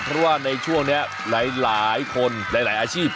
เพราะว่าในช่วงนี้หลายคนหลายอาชีพ